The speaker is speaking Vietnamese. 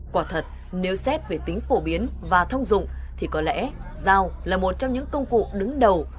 quả thật nếu xét về tính phổ biến và thông dụng thì có lẽ dao là một trong những công cụ đứng đầu